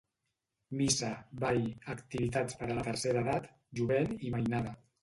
Missa, ball, activitats per a la tercera edat, jovent i mainada.